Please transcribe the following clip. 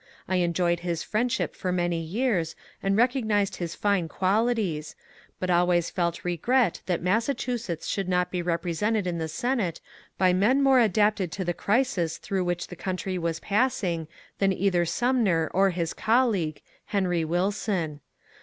I enjoyed his friendship for many years and recognized his fine qualities, but always felt regret that Massachusetts should not be represented in the Senate by men more adapted to the crisis through which the country was passing than either Sumner or his colleague, Henry Wilson.